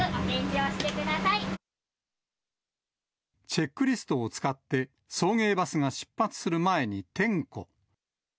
チェックリストを使って、送迎バスが出発する前に点呼。